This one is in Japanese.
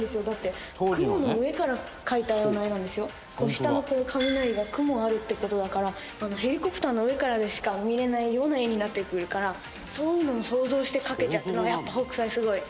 下の雷が雲あるって事だからヘリコプターの上からでしか見れないような絵になってくるからそういうのを想像して描けちゃうっていうのがやっぱ北斎すごい！